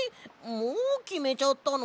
もうきめちゃったの？